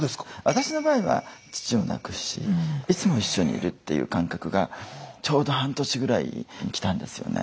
私の場合は父を亡くしいつも一緒にいるっていう感覚がちょうど半年ぐらいに来たんですよね。